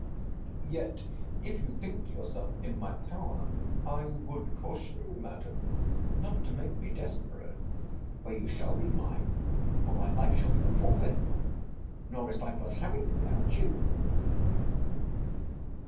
Yet, if you think yourself in my power, I would caution you, Madam, not to make me desperate. For you shall be mine, or my life shall be the forfeit! Nor is life worth having without you!